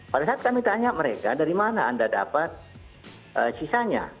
pada saat kami tanya mereka dari mana anda dapat sisanya